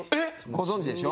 ご存じでしょ？